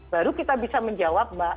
baru kita bisa menjawab mbak